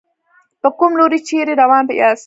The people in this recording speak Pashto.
په کوم لوري چېرې روان ياستئ.